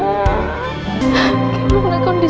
aku terima kasih